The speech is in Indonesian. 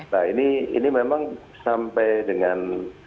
nah ini memang sampai dengan